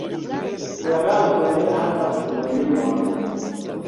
Esperanto ne havas sinonimon.